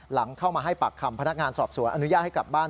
หลังเข้ามาให้ปากคำพนักงานสอบสวนอนุญาตให้กลับบ้าน